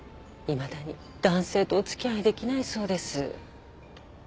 いまだに男性とお付き合いできないそうです。